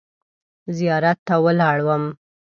زیارت ته ولاړم.